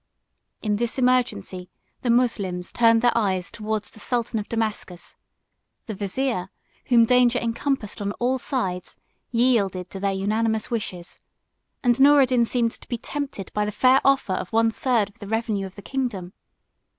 In this emergency, the Moslems turned their eyes towards the sultan of Damascus; the vizier, whom danger encompassed on all sides, yielded to their unanimous wishes, and Noureddin seemed to be tempted by the fair offer of one third of the revenue of the kingdom.